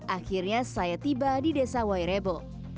akhirnya saya tiba di desa wairebo